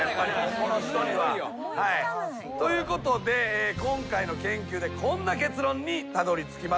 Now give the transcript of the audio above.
この人には。ということで今回の研究でこんな結論にたどりつきました。